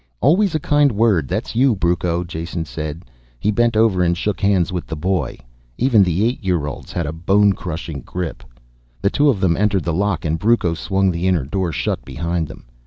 "Always a kind word, that's you, Brucco," Jason said. He bent over and shook hands with the boy. Even the eight year olds had a bone crushing grip. The two of them entered the lock and Brucco swung the inner door shut behind them.